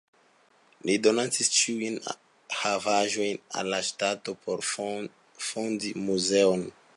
Li donacis ĉiujn havaĵojn al la ŝtato, por fondi muzeon.